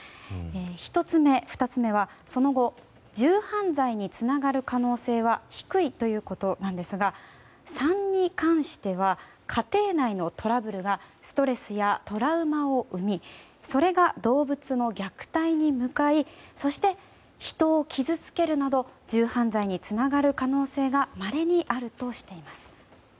１つ目、２つ目はその後重犯罪につながる可能性は低いということなんですが３に関しては家庭内のトラブルがストレスやトラウマを生みそれが動物の虐待に向かいそして、人を傷つけるなど重犯罪につながる可能性がまれにあるとしています。